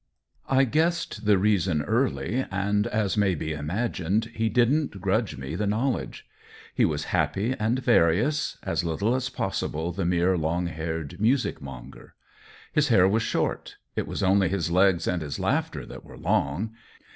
I guessed the reason early, and, as may be imagined, he didn't grudge me the knowl edge. He was happy and various — as little as possible the mere long haired music monger. His hair was short ; it was only his legs and his laughter that were long.